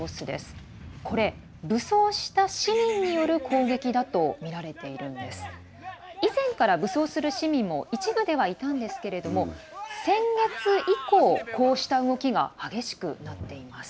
以前から武装する市民も一部ではいたんですけれども先月以降、こうした動きが激しくなっています。